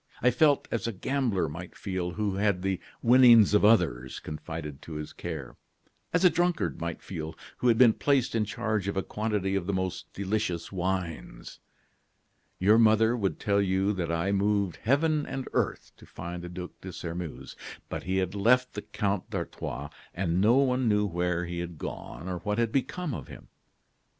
I felt as a gambler might feel who had the winnings of others confided to his care; as a drunkard might feel who had been placed in charge of a quantity of the most delicious wines. "Your mother would tell you that I moved heaven and earth to find the Duc de Sairmeuse. But he had left the Count d'Artois, and no one knew where he had gone or what had become of him.